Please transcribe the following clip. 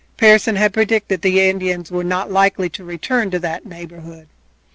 Pearson had predicted that the Indians were not likely to return to that neighborhood.